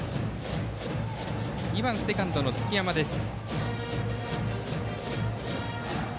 ２番セカンド、月山です。